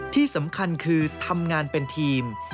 ที่สำคัญคือทำงานเป็นทีม